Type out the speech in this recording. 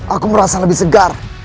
aku merasa lebih segar